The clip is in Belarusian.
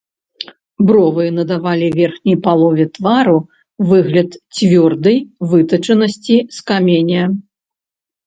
Бровы надавалі верхняй палове твару выгляд цвёрдай вытачанасці з каменя.